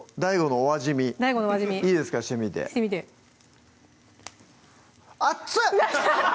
ＤＡＩＧＯのお味見いいですかしてみて熱っ！